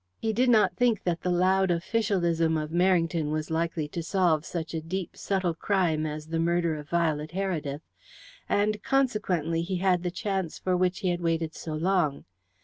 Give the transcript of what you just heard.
He did not think that the loud officialism of Merrington was likely to solve such a deep, subtle crime as the murder of Violet Heredith, and, consequently, he had the chance for which he had waited so long.